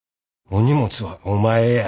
お荷物はお前や。